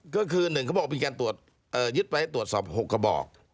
ก็คือหนึ่งกระบอกเป็นการตรวจยึดไปให้ตรวจสอบ๖กระบอก